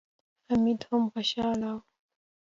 حميد هم خوشاله و.